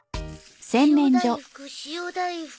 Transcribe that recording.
塩大福塩大福。